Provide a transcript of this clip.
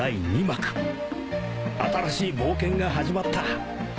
新しい冒険が始まった